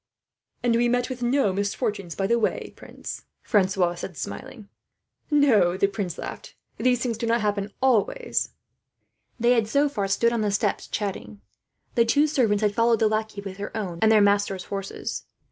"And we met with no misfortunes by the way, prince," Francois said, smiling. "No," the prince laughed, "these things do not happen always." They had so far stood on the steps, chatting. The two servants had followed the lackey, with their own and their masters' horses.